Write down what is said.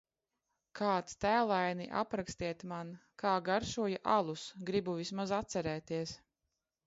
Kāds tēlaini aprakstiet man, kā garšoja alus, gribu vismaz atcerēties